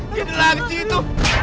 dia ada lagi sih itu